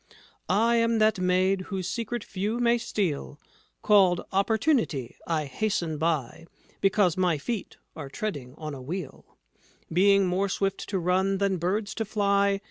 "I am that maid whose secret few may steal, Called Opportunity. I hasten by Because my feet are treading on a wheel, Being more swift to run than birds to fly.